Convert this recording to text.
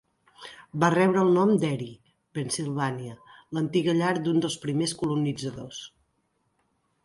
Va rebre el nom de Erie, Pennsylvania, l'antiga llar d'un dels primers colonitzadors.